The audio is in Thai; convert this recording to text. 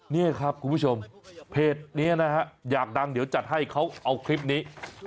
นี่ครับคุณผู้ชมเพจนี้นะฮะอยากดังเดี๋ยวจัดให้เขาเอาคลิปนี้